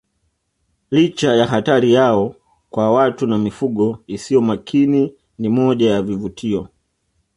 Licha ya hatari yao kwa watu na mifugo isiyo makini ni moja ya vivutio